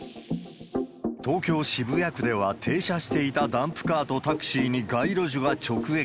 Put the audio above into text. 東京・渋谷区では、停車していたダンプカーとタクシーに街路樹が直撃。